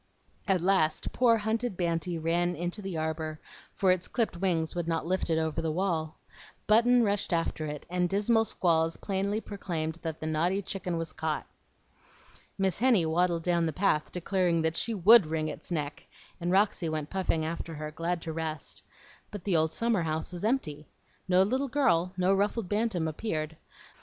At last poor, hunted Banty ran into the arbor, for its clipped wings would not lift it over the wall. Button rushed after it, and dismal squalls plainly proclaimed that the naughty chicken was caught. Miss Henny waddled down the path, declaring that she WOULD wring its neck; and Roxy went puffing after her, glad to rest. But the old summer house was empty. No little girl, no ruffled bantam, appeared.